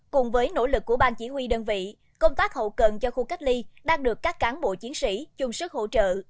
cùng với nỗ lực của bang chỉ huy đơn vị công tác hậu cần cho khu cách ly đang được các cán bộ chiến sĩ chung sức hỗ trợ